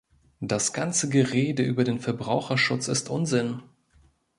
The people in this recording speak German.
Das ganze Gerede über den Verbraucherschutz ist Unsinn.